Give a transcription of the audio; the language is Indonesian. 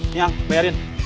nih yang bayarin